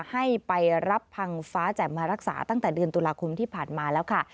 ให้ไปรับพังฟ้าแจ่มมารักษาตั้งแต่เดือนตุลาคมที่ผ่านมาแล้วค่ะ